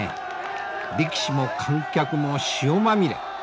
力士も観客も塩まみれ。